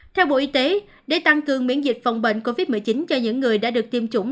theo bộ y tế để tăng cường miễn dịch phòng bệnh covid một mươi chín cho những người đã được tiêm chủng